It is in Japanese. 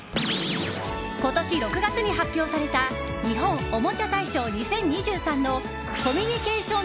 今年６月に発表された日本おもちゃ大賞２０２３のコミュニケーション